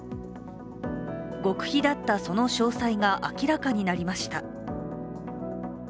極秘だったその詳細が明らかになりました。